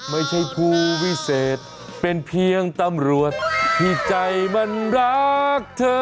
ไม่ใช่ผู้วิเศษเป็นเพียงตำรวจที่ใจมันรักเธอ